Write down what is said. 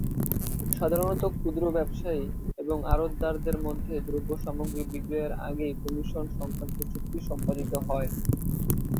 সাধারণত ক্ষুদ্র ব্যবসায়ী এবং আড়তদারের মধ্যে দ্রব্যসামগ্রী বিক্রয়ের আগেই কমিশন সংক্রান্ত চুক্তি সস্পাদিত হয়।